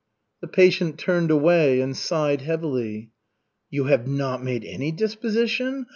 '" The patient turned away and sighed heavily. "You have not made any disposition?